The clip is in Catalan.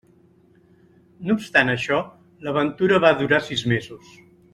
No obstant això, l'aventura va durar sis mesos.